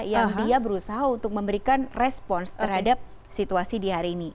yang dia berusaha untuk memberikan respons terhadap situasi di hari ini